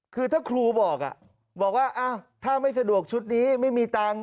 คือถ้าครูบอกถ้าไม่สะดวกชุดนี้มันไม่มีตังค์